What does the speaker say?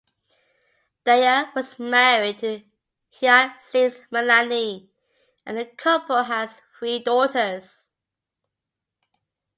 Daya was married to Hyacinth Malani and the couple has three daughters.